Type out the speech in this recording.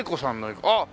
あっ！